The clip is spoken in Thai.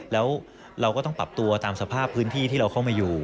แล้วเราก็ต้องปรับตัวตามสภาพพื้นที่ที่เราเข้ามาอยู่